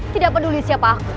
tidak peduli siapa aku